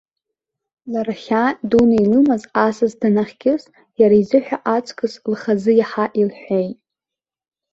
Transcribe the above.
Лара хьаа дуны илымаз, асас данахькьыс, иара изыҳәа аҵкыс лхазы иаҳа илҳәеит.